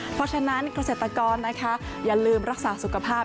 เพราะฉะนั้นระเศรษฐกรอย่าลืมรักษาสุขภาพ